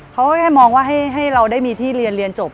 เขาก็แค่มองว่าให้เราได้มีที่เรียนเรียนจบ